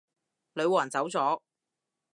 女皇走咗